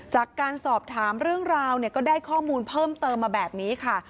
จากการสอบถามเรื่องราวเนี่ยก็ได้ข้อมูลเพิ่มเติมมาแบบนี้ค่ะ